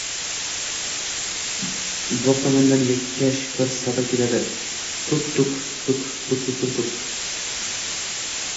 Bog’ tomondan yakkash bir sado keladi: “tuk-tuktuk, tuk-tuk-tuk”.